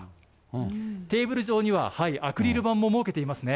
テーブル上にはアクリル板も設けていますね。